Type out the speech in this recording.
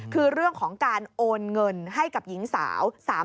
คือเรื่องของการโอนเงินให้กับหญิงสาว